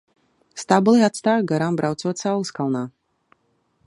Stabuli atstāju garām braucot saules kalnā.